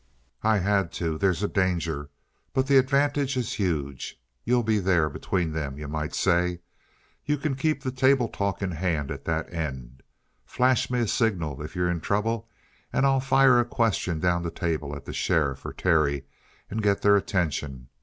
"I had to. There's a danger. But the advantage is huge. You'll be there between them, you might say. You can keep the table talk in hand at that end. Flash me a signal if you're in trouble, and I'll fire a question down the table at the sheriff or Terry, and get their attention.